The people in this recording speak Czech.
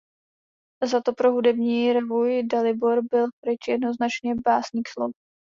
Zato pro hudební revui "Dalibor" byl Frič jednoznačně „básník slov“.